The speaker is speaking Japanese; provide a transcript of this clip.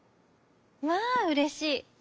「まあうれしい。